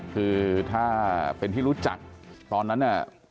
คือถ้าเป็นที่รู้จักตอนนั้นน่ะ